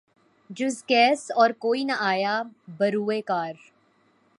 جزقیس اور کوئی نہ آیا بہ روے کار